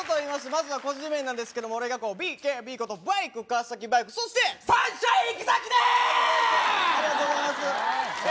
まずは個人名なんですけども俺がＢＫＢことバイク川崎バイクそしてサンシャイン池崎でーすありがとうございます